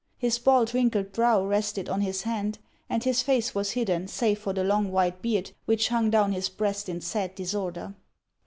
His bald, wrinkled brow rested on his hand, and his face was hidden save for the long white beard which hung down his breast in sad disorder.